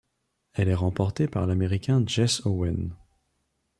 Elle est remportée par l'Américain Jesse Owens.